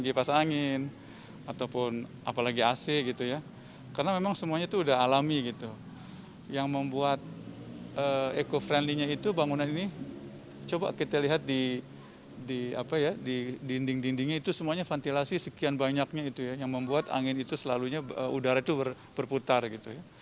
gipas angin ataupun apalagi ac gitu ya karena memang semuanya itu udah alami gitu yang membuat eco friendly nya itu bangunan ini coba kita lihat di dinding dindingnya itu semuanya ventilasi sekian banyaknya itu ya yang membuat angin itu selalunya udara itu berputar gitu ya